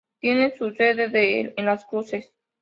Tiene su sede en Las Cruces.